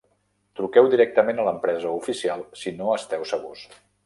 Truqueu directament a l'empresa oficial si no esteu segurs.